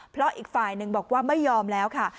เพราะอีกฝ่ายหนึ่งบอกว่าไม่ยอมแล้วค่ะ